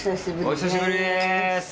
お久しぶりです。